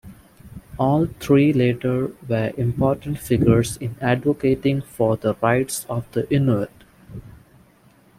All three later were important figures in advocating for the rights of the Inuit.